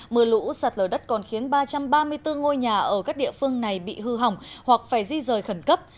mưa lũ sạt lở đất còn khiến ba trăm ba mươi bốn ngôi nhà ở các địa phương này bị hư hỏng hoặc phải di rời khẩn cấp